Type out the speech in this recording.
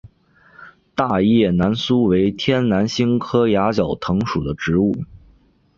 大叶南苏为天南星科崖角藤属的植物。